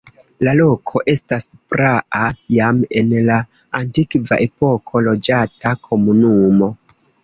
La loko estas praa, jam en la antikva epoko loĝata komunumo.